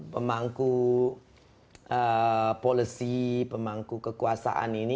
pemangku polisi pemangku kekuasaan ini